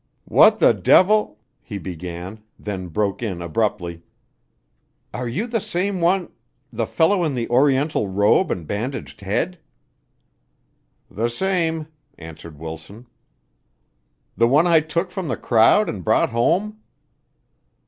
"What the devil " he began, then broke in abruptly, "Are you the same one the fellow in the Oriental robe and bandaged head?" "The same," answered Wilson. "The one I took from the crowd and brought home?"